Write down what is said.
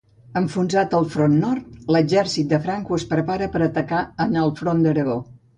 Enfonsat el front nord, l'exèrcit de Franco es prepara per atacar en el front d'Aragó.